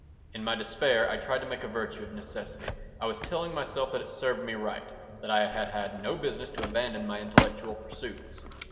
In my despair, I tried to make a virtue of necessity. I was telling myself that it served me right; that I had had no business to abandon my intellectual pursuits.